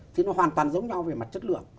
thì nó hoàn toàn giống nhau về mặt chất lượng